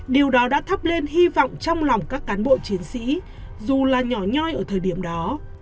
điều đó đã thắp lên hy vọng trong lòng các cán bộ chiến sĩ dù là nhỏ nhoi ở thời điểm đó